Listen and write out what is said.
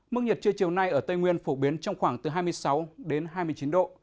mức nhiệt trưa chiều nay ở tây nguyên phổ biến trong khoảng từ hai mươi sáu đến hai mươi chín độ